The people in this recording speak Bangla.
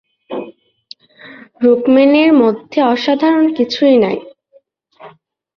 রুক্মিণীর মধ্যে অসাধারণ কিছুই নাই।